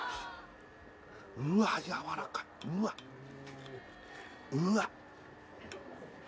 うわやわらかいうわっうわっ